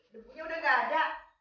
depunya udah gak ada